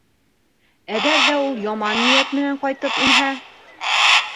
Әгәр ҙә ул яман ниәт менән ҡайтып инһә?